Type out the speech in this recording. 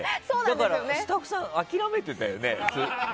だから、スタッフさん諦めてたよね